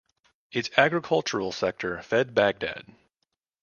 Its agricultural sector fed Baghdad.